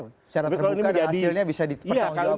secara terbuka dan hasilnya bisa dipertanggungjawabkan